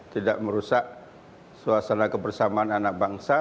tidak merusak suasana kebersamaan anak bangsa